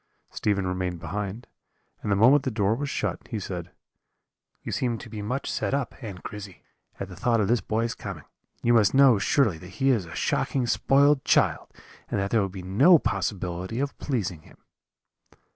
Stephen remained behind, and the moment the door was shut, he said: "'You seem to be much set up, Aunt Grizzy, at the thought of this boy's coming; you must know, surely, that he is a shocking spoiled child, and that there will be no possibility of pleasing him.'